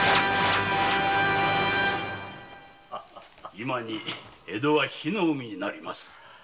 今に江戸は火の海になります。